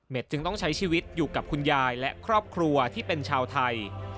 จึงต้องใช้ชีวิตอยู่กับคุณยายและครอบครัวที่เป็นชาวไทย